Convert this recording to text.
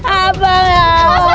abang ya allah